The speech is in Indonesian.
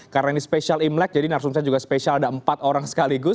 karena ini spesial imlek jadi narsumsa juga spesial ada empat orang sekaligus